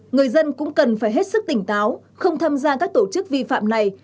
người dân cũng cần phải hết sức tỉnh táo không tham gia các tổ chức vi phạm này